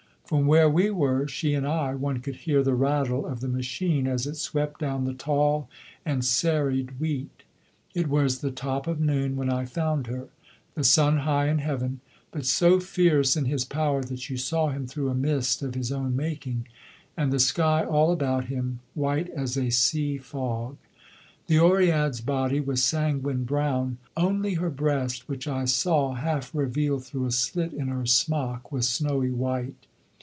From where we were, she and I, one could hear the rattle of the machine as it swept down the tall and serried wheat. It was the top of noon when I found her; the sun high in heaven, but so fierce in his power that you saw him through a mist of his own making, and the sky all about him white as a sea fog. The Oread's body was sanguine brown, only her breast, which I saw half revealed through a slit in her smock, was snowy white.